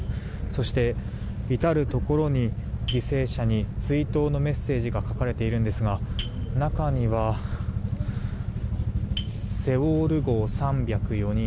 そして、至るところに犠牲者に追悼のメッセージが書かれているんですが中には「セウォル号」３０４人